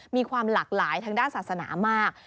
มีความหลากหลายทางด้านศาสนามาก